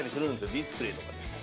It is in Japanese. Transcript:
ディスプレーとかで。